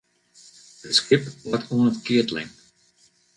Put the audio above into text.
It skip leit oan 't keatling.